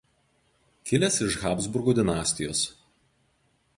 Kilęs iš Habsburgų dinastijos.